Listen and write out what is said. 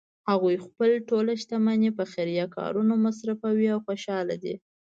هغوی خپله ټول شتمني په خیریه کارونو مصرفوی او خوشحاله دي